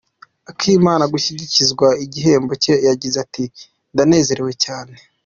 Akimara gushyikirizwa igihembo cye yagize ati “Ndanezerewe cyane.